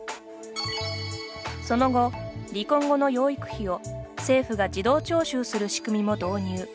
その後、離婚後の養育費を政府が自動徴収する仕組みも導入。